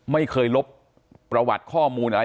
ไม่เคยลบประวัติข้อมูลอะไร